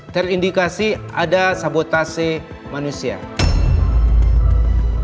terindikasi alat bukti ini sudah untuk memandu kenya berbeda kan